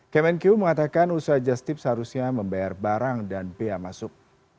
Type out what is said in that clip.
kemenku mengatakan usaha jastip seharusnya membayar barang dan bea masuk